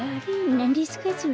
なんですかそれ？